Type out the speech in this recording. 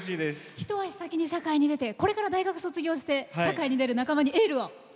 一足先に社会に出てこれから大学卒業して社会に出る仲間にエールを！